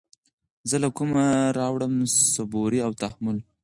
زه له كومه راوړم صبوري او تحمل